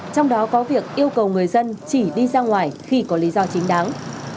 trong đó có việc yêu cầu người dân chỉ đi ra ngoài khi có lý do chính đáng